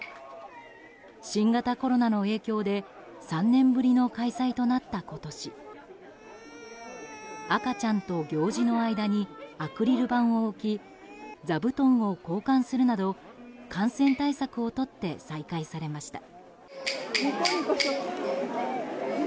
新型コロナの影響で３年ぶりの開催となった今年赤ちゃんと行司の間にアクリル板を置き座布団を交換するなど感染対策をとって再開されました。